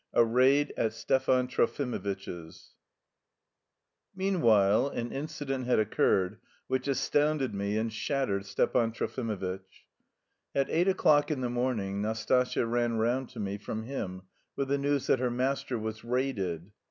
A RAID AT STEPAN TROFIMOVITCH'S Meanwhile an incident had occurred which astounded me and shattered Stepan Trofimovitch. At eight o'clock in the morning Nastasya ran round to me from him with the news that her master was "raided."